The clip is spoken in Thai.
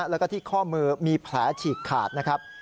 แล้วก็ที่ข้อมือมีแผลฉีกขาดนะครับ